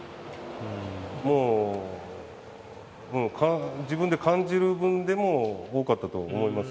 もう自分で感じる分でも多かったと思います。